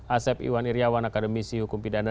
asep iwan iryawan akademisi hukum pidana